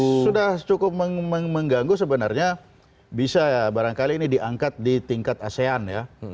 ya sudah cukup mengganggu sebenarnya bisa ya barangkali ini diangkat di tingkat asean ya